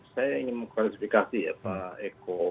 saya ingin mengklarifikasi ya pak eko